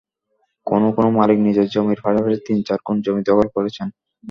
কোনো কোনো মালিক নিজের জমির পাশাপাশি তিন-চার গুণ জমি দখল করেছেন।